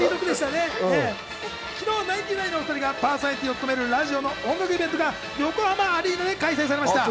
昨日、ナインティナインのお２人がパーソナリティーを務めるラジオの音楽イベントが横浜アリーナで開催されました。